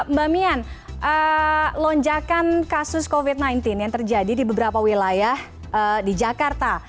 mbak mian lonjakan kasus covid sembilan belas yang terjadi di beberapa wilayah di jakarta